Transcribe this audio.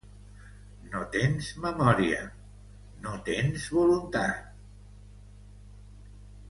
No tens memòria, no tens voluntat…